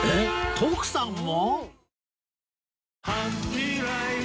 徳さんも？